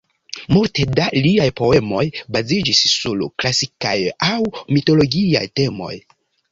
Multe da liaj poemoj baziĝis sur klasikaj aŭ mitologiaj temoj.